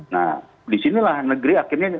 nah disinilah negeri akhirnya